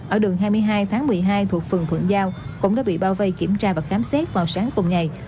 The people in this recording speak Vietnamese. ở đường hai mươi hai tháng một mươi hai thuộc phường thuận giao cũng đã bị bao vây kiểm tra và khám xét vào sáng cùng ngày